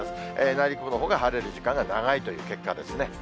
内陸のほうが晴れる時間が長いという結果ですね。